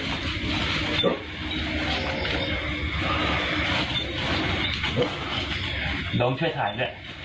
นี่ม้องมาถ่ายกล้องว่ะ